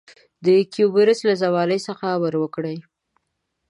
د کیومرث له زمانې څخه امر وکړ.